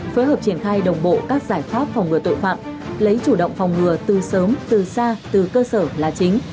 phối hợp triển khai đồng bộ các giải pháp phòng ngừa tội phạm lấy chủ động phòng ngừa từ sớm từ xa từ cơ sở là chính